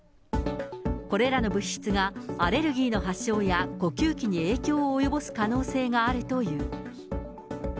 これらの物質がアレルギーの発症や呼吸器に影響を及ぼす可能性があるという。